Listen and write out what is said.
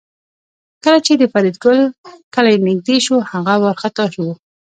کله چې د فریدګل کلی نږدې شو هغه وارخطا و